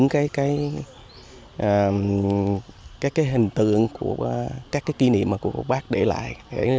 các hình tượng các kỷ niệm của bác để lại